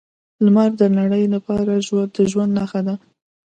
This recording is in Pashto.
لمر د نړۍ لپاره د ژوند نښه ده.